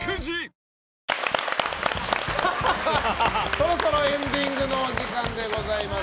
そろそろエンディングのお時間でございます。